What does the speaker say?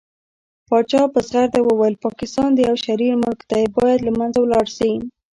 پاچا په ځغرده وويل پاکستان يو شرير ملک دى بايد له منځه ولاړ شي .